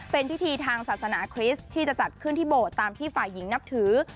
เป็นพิธีทางศาสนาคริสต์ที่จะจัดขึ้นที่โบสถ์ตามที่ฝ่ายหญิงนับถือ